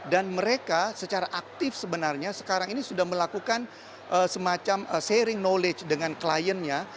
dan mereka secara aktif sebenarnya sekarang ini sudah melakukan semacam sharing knowledge dengan kliennya